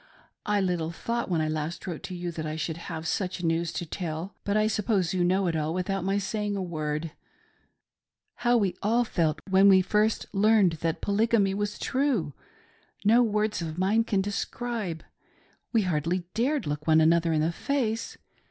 I little thought when I last wrote to you that I should have such news to tell ; but I suppose you know it all without my saying a word. How we all felt IS'O HOW THE SAI'NTS IN ENGLANt) RECEI'i'feD POLYGAMY. when we first learned that Polygamy was tfue, no words of mine can describe ; we hardly dared look one another in the face.